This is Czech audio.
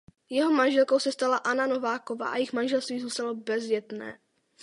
Jeho manželkou se stala Anna Nováková a jejich manželství zůstalo bezdětné.